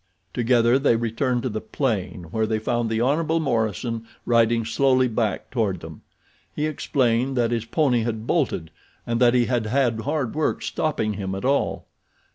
Together they returned to the plain where they found the Hon. Morison riding slowly back toward them. He explained that his pony had bolted and that he had had hard work stopping him at all.